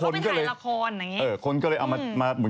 แต่เขาไปถ่ายละครอย่างนี้